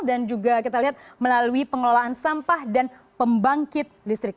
dan juga kita lihat melalui pengelolaan sampah dan pembangkit listrik